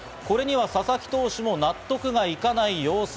これには佐々木投手も納得がいかない様子。